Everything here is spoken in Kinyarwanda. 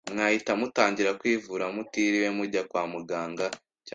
mwahita mutangira kwivura mutiriwe mujya kwa muganga